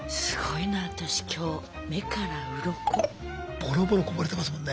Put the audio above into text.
ボロボロこぼれてますもんね。